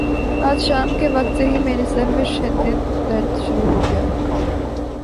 آج شام کے وقت سے ہی میرے سر میں شدد درد شروع ہو گیا